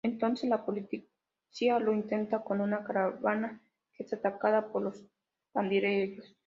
Entonces la policía lo intenta con una caravana, que es atacada por pandilleros.